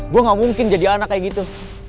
gue gak mungkin jadi anak kayak gitu